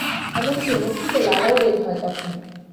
এমনকি মুখ থেকে লালাও বের হয় তখন।